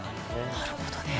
なるほどね。